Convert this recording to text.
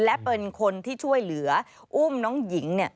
และเป็นคนที่ช่วยเหลืออุ้มน้องหญิง